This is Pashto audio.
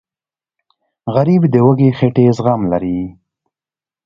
غریب د وږې خېټې زغم لري